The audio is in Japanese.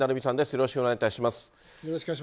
よろしくお願いします。